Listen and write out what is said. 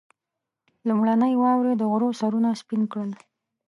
لومړنۍ واورې د غرو سرونه سپين کړل.